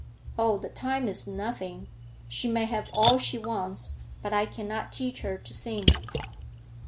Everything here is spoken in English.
"Oh, the time is nothing—she may have all she wants. But I cannot teach her to sing."